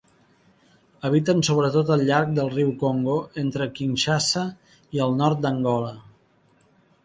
Habiten sobretot al llarg del riu Congo, entre Kinshasa i el nord d'Angola.